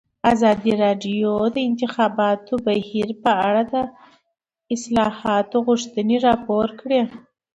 ازادي راډیو د د انتخاباتو بهیر په اړه د اصلاحاتو غوښتنې راپور کړې.